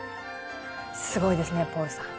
すごいですねポールさん。